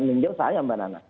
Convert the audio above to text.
peninjauan saya mbak nana